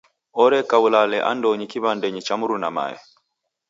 Oreka ulale andonyi kiw'andenyi cha mruna mae.